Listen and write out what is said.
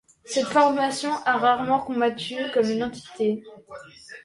Cette formation a rarement combattu comme une entité.